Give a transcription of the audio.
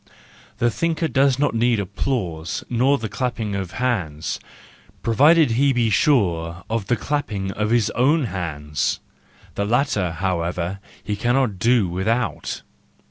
—The thinker does not need applause nor the clapping of hands, provided he be sure of the clapping of his own hands : the latter, however, he cannot do without.